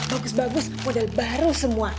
bagus bagus model baru semua